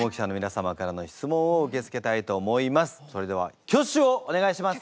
それでは挙手をお願いします！